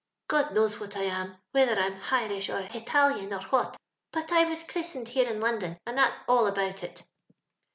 God knows what I am — whether I'm hirish or h'/talian, or what ; but I was christ ened here in London, and that's all about it.